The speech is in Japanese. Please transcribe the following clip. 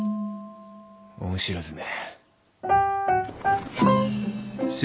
恩知らずめ。